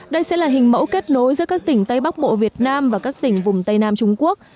đây sẽ là hình mẫu kết nối giữa các tỉnh tây bắc bộ việt nam và các tỉnh vùng tây nam trung quốc